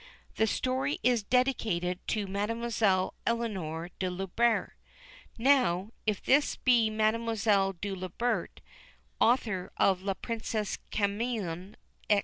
The story is dedicated to Mademoiselle Eleanore de Lubert. Now, if this be Mademoiselle de Lubert, author of La Princesse Camion, &c.